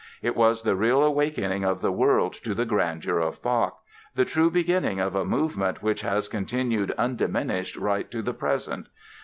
It was the real awakening of the world to the grandeur of Bach, the true beginning of a movement which has continued undiminished right up to the present.